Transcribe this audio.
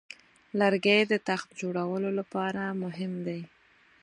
لرګی د تخت جوړولو لپاره مهم دی.